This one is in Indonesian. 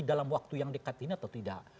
dalam waktu yang dekat ini atau tidak